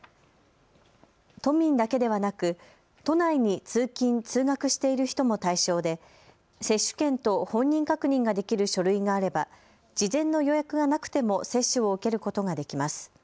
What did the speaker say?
都民だけではなく都内に通勤・通学している人も対象で接種券と本人確認ができる書類があれば事前の予約がなくても接種を受けることができます。